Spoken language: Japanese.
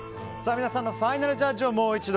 皆さんのファイナルジャッジをもう一度。